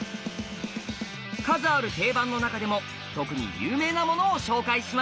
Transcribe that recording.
数ある定番の中でも特に有名なものを紹介します。